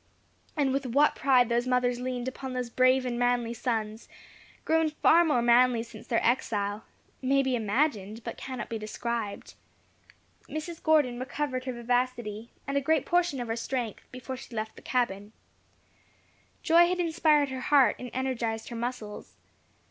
And with what pride those mothers leaned upon those brave and manly sons grown far more manly since their exile may be imagined, but can not be described. Mrs. Gordon recovered her vivacity, and a great portion of her strength, before she left the cabin. Joy had inspired her heart, and energized her muscles.